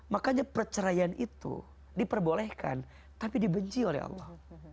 makanya perceraian itu diperbolehkan tapi dibenci oleh allah